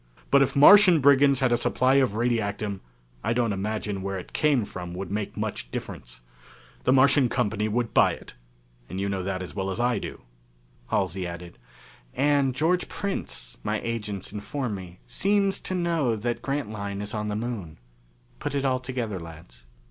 But if Martian Brigands had a supply of radiactum I don't imagine where it came from would make much difference. The Martian company would buy it, and you know that as well as I do!" Halsey added, "And George Prince, my agents inform me, seems to know that Grantline is on the Moon. Put it all together, lads.